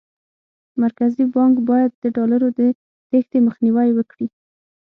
مرکزي بانک باید د ډالرو د تېښتې مخنیوی وکړي.